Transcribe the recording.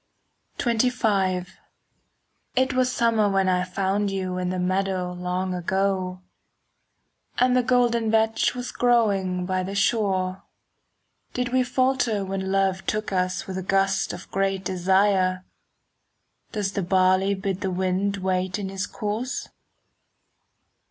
XXV It was summer when I found you In the meadow long ago,— And the golden vetch was growing By the shore. Did we falter when love took us 5 With a gust of great desire? Does the barley bid the wind wait In his course?